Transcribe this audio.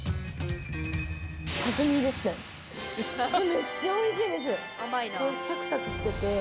めっちゃおいしいです！